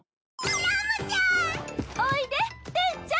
ラムちゃん！